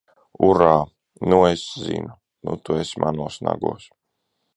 Urā! Nu es zinu! Nu tu esi manos nagos!